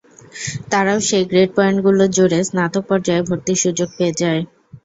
তারাও সেই গ্রেড পয়েন্টগুলোর জোরে স্নাতক পর্যায়ে ভর্তির সুযোগ পেয়ে যায়।